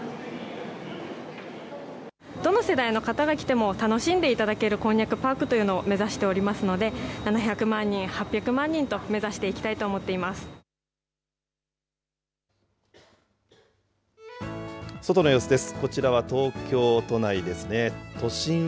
どの世代の方が来ても楽しんでいただける施設をこんにゃくパークというのを目指しておりますので、７００万人、８００万人と外の様子です。